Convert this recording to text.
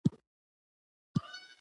د مالدارۍ فارم ګټور دی؟